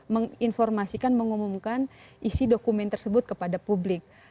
menginformasikan mengumumkan isi dokumen tersebut kepada publik